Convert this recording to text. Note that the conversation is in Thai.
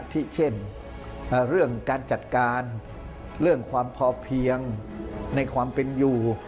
ที่เช่นเรื่องการจัดการเรื่องความพอเพียงในความเป็นอยู่